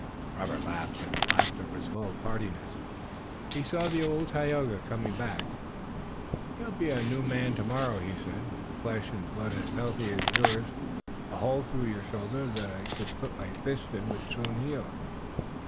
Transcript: Robert laughed, and his laugh was full of heartiness. He saw the old Tayoga coming back. "You'll be a new man tomorrow," he said. "With flesh and blood as healthy as yours a hole through your shoulder that I could put my fist in would soon heal."